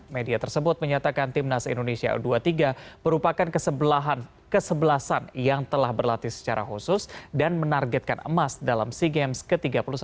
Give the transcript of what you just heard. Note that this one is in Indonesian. media tersebut menyatakan timnas indonesia u dua puluh tiga merupakan kesebelasan yang telah berlatih secara khusus dan menargetkan emas dalam sea games ke tiga puluh satu